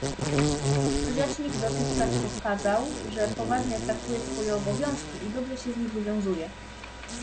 Rzecznik dotychczas pokazał, że poważnie traktuje swoje obowiązki i dobrze się z nich wywiązuje